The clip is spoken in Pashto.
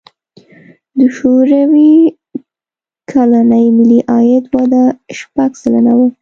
د شوروي کلني ملي عاید وده شپږ سلنه وه.